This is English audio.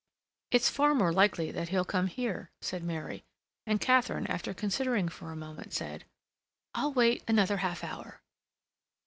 "It's far more likely that he'll come here," said Mary, and Katharine, after considering for a moment, said: "I'll wait another half hour."